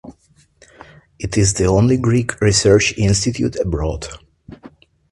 It is the only Greek research institute abroad.